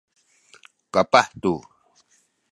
kapah tu